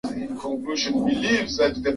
Kikapu chao si kizuri